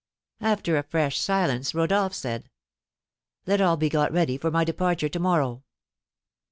After a fresh silence, Rodolph said, "Let all be got ready for my departure to morrow."